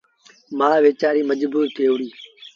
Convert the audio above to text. مآ ويچآريٚ مجبور ٿئي وهُڙيٚ